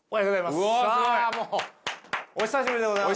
すごい！お久しぶりでございます。